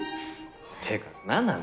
っていうかな